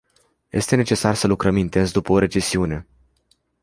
Este necesar să lucrăm intens după o recesiune.